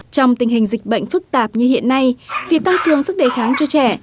trong tình hình dịch bệnh phức tạp như hiện nay việc tăng cường sức đề kháng cho trẻ